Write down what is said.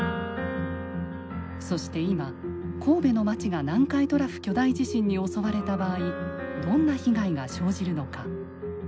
そして今神戸の街が南海トラフ巨大地震に襲われた場合どんな被害が生じるのか。